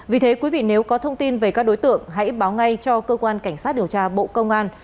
vì thế quý vị nếu có thông tin về các đối tượng hãy báo ngay cho cơ quan cảnh sát điều tra bộ công an